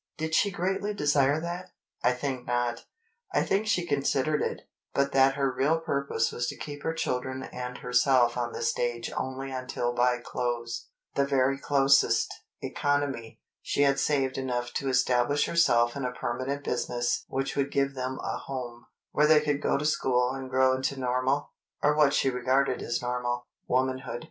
Did she greatly desire that? I think not. I think she considered it, but that her real purpose was to keep her children and herself on the stage only until by close, the very closest, economy, she had saved enough to establish herself in a permanent business which would give them a home, where they could go to school and grow into normal, or what she regarded as normal, womanhood.